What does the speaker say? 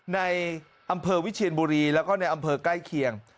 ในอำเภอวิเชียนบุรีแล้วก็ในอำเภอใกล้เคียง